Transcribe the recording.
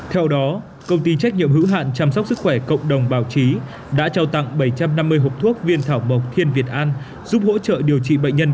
theo đó công ty trách nhiệm hữu hạn chăm sóc sức khỏe cộng đồng báo chí đã trao tặng bảy trăm năm mươi hộp thuốc viên thảo mộc thiên việt an giúp hỗ trợ điều trị bệnh nhân